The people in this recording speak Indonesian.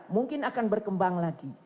mungkin akan berkembang lagi